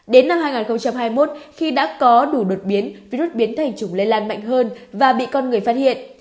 đến năm hai nghìn hai mươi một khi đã có đủ đột biến virus biến thành chủng lây lan mạnh hơn và bị con người phát hiện